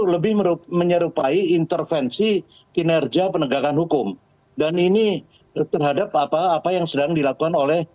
lebih menyerupai intervensi kinerja penegakan hukum dan ini terhadap apa apa yang sedang dilakukan oleh